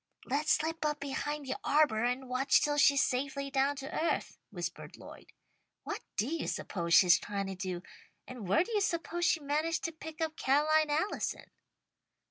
"Let's slip up behind the arbour and watch till she's safely down to earth," whispered Lloyd. "What do you suppose she's trying to do, and where do you suppose she managed to pick up Ca'line Allison?"